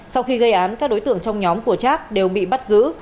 sau khi gây án các đối tượng trong nhóm của trác đều bị bắt giữ